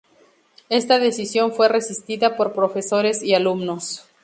Esta decisión fue resistida por profesores y alumnos.